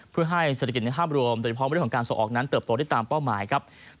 เพื่อให้เศรษฐกิจในภาพรวมโดยเฉพาะเรื่องของการส่งออกนั้นเติบโตได้ตามเป้าหมายครับ